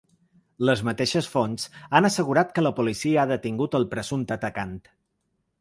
Les mateixes fonts han assegurat que la policia ha detingut el presumpte atacant.